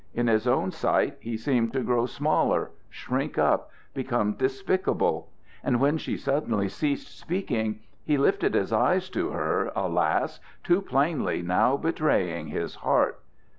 In his own sight he seemed to grow smaller, shrink up, become despicable; and when she suddenly ceased speaking, he lifted his eyes to her, alas! too plainly now betraying his heart.